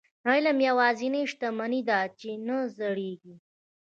علم یوازینۍ شتمني ده چې نه زړيږي.